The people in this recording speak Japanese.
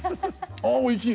あぁおいしい！